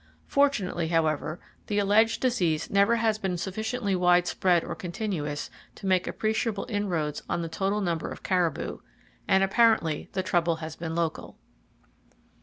Fortunately, however, the alleged disease never has been sufficiently wide spread or continuous to make appreciable inroads on the total number of caribou, and apparently the trouble has been local.